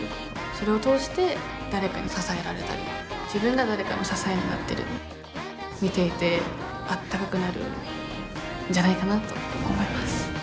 それを通して誰かに支えられたり自分が誰かの支えになったり見ていてあったかくなるんじゃないかなと思います。